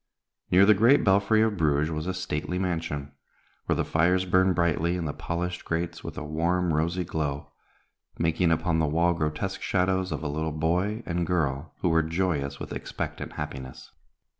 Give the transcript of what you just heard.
Near the great belfry of Bruges was a stately mansion, where the fires burned brightly in the polished grates with a warm, rosy glow, making upon the wall grotesque shadows of a little boy and girl who were joyous with expectant happiness.